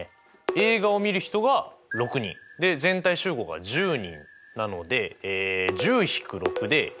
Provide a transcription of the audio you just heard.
映画をみる人が６人全体集合が１０人なので１０−６で４。